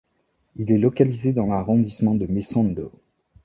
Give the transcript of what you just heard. Il est localisé dans l'arrondissement de Messondo.